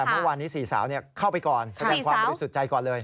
แต่เมื่อวานนี้สี่สาวเนี่ยเข้าไปก่อนแสดงความรู้สึกใจก่อนเลย